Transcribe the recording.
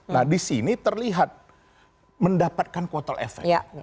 nah di sini terlihat mendapatkan kotel efek